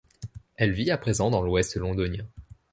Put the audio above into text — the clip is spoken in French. Elle vit à présent dans l'ouest londonien.